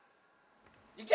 いけ！